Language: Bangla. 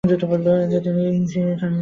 আমি ইজিচি-সানকে ফোন করে দেখছি।